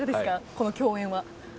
この共演は。